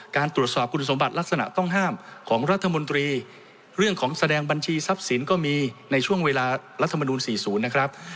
การตรวจสอบคุณสมบัติลักษณะต้องห้ามของรัฐมนตรีเรื่องของแสดงบัญชีทรัพย์สินก็มีในช่วงเวลารัฐมนูล๔๐นะครับ